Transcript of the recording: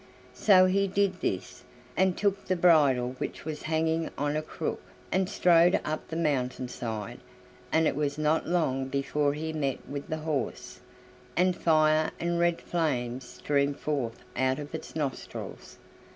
So he did this, and took the bridle which was hanging on a crook, and strode up the mountain side, and it was not long before he met with the horse, and fire and red flames streamed forth out of its nostrils.